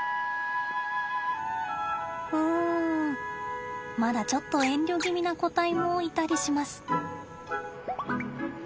うんまだちょっと遠慮気味な個体もいたりします。